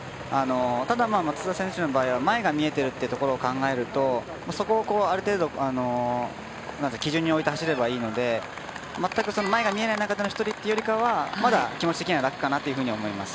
ただ松田選手の場合は前が見えているということを考えると、そこをある程度基準において、走ればいいので全く前が見えない中での１人というよりは気持ちが楽かなと思います。